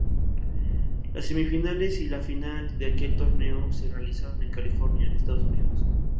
Las semifinales y la final de aquel torneo se realizaron en California, Estados Unidos.